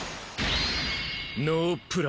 「ノープランだ！」